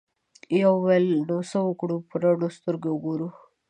یوه وویل نو څه وکړو په رډو سترګو وګورو؟